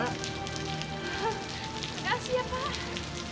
makasih ya pak